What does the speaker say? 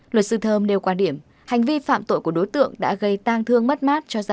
luật sư thơm nêu quan điểm